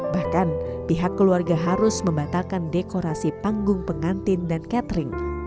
bahkan pihak keluarga harus membatalkan dekorasi panggung pengantin dan catering